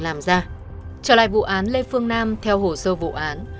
trở lại vụ án lê phương nam theo hồ sơ vụ án